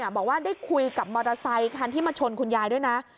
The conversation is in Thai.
บอกว่าได้คุยกับมอเตอร์ไซคันที่มาชนคุณยายด้วยนะ